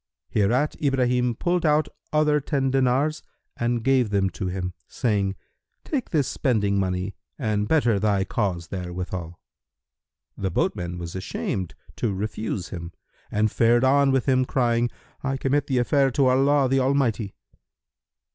Hereat Ibrahim pulled out other ten dinars and gave them to him, saying, "Take this spending money and better thy case therewithal." The boatman was ashamed to refuse him and fared on with him crying "I commit the affair to Allah the Almighty!"